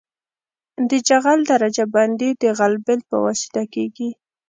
د جغل درجه بندي د غلبیل په واسطه کیږي